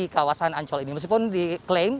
kawasan ancol ini meskipun diklaim